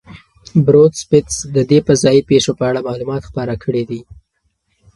بروس بتز د دې فضایي پیښو په اړه معلومات خپاره کړي دي.